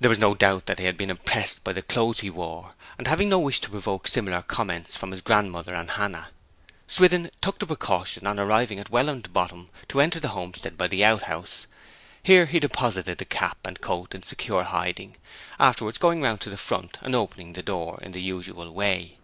There was no doubt that they had been impressed by the clothes he wore; and having no wish to provoke similar comments from his grandmother and Hannah, Swithin took the precaution, on arriving at Welland Bottom, to enter the homestead by the outhouse. Here he deposited the cap and coat in secure hiding, afterwards going round to the front and opening the door in the usual way.